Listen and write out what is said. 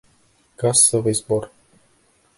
Кассовый сбор!